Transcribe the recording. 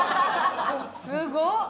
すごっ！